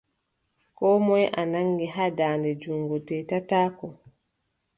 Koo moy o nanngi haa daande junngo, teetataako.